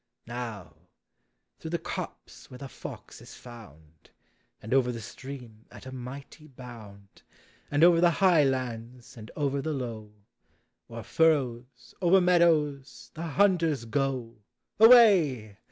Now, through the copse where the fox is found, And over the stream at a mighty bound, And over the high lands and over the low, O'er furrows, o'er meadows, the hunters go! Away